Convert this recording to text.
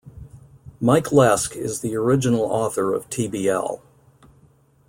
Mike Lesk is the original author of tbl.